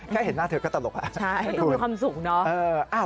แค่เห็นหน้าเธอก็ตลกอ่ะใช่ก็คือความสุขเนอะเอออ่า